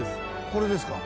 これですか？